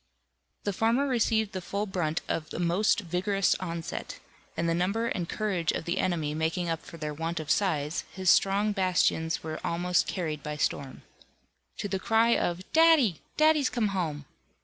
The farmer received the full brunt of a most vigorous onset, and the number and courage of the enemy making up for their want of size, his strong bastions were almost carried by storm. To the cry of "Daddy! Daddy's come home!"